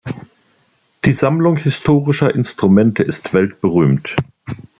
Die Sammlung historischer Instrumente ist weltberühmt.